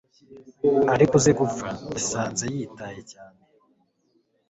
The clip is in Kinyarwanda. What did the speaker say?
Ariko uze gupfa yasanze yitaye cyane